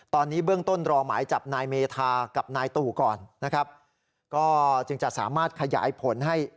ตอนนี้เบื้องต้นรอหมายจับนายเมธากับนายตู่ก่อนนะครับก็จึงจะสามารถขยายผลให้